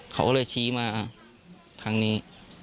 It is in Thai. เขาก็เลยชี้มาทางนี้